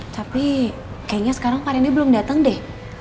tapi kayaknya sekarang pak randy belum dateng deh